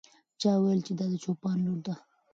چا وویل چې دا د چوپان لور ده.